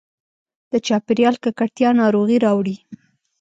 د چاپېریال ککړتیا ناروغي راوړي.